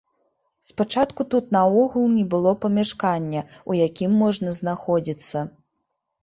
Спачатку тут наогул не было памяшкання, ў якім можна знаходзіцца.